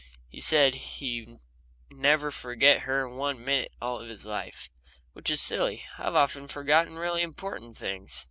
And he said he'd never forget her one minute all his life which was silly, for I've often forgotten really important things.